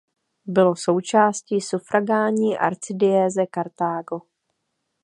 Bylo součástí sufragánní arcidiecéze Kartágo.